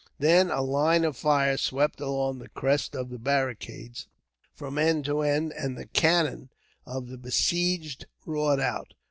Then a line of fire swept along the crest of the barricade from end to end, and the cannon of the besieged roared out.